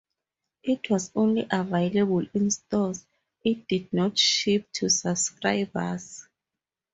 It was only available in stores; it did not ship to subscribers.